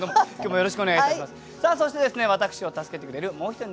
よろしくお願いします。